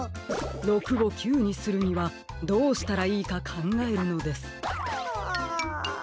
６を９にするにはどうしたらいいかかんがえるのです。は。